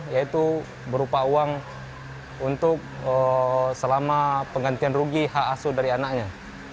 yaitu berupa uang untuk selama penggantian rugi hak asuh dari anaknya